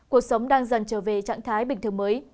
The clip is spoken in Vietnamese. cuộc sống đang dần trở về trạng thái bình thường mới